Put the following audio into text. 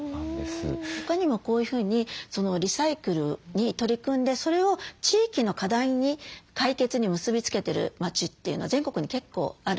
他にもこういうふうにリサイクルに取り組んでそれを地域の課題に解決に結び付けてる町というのは全国に結構あるんですね。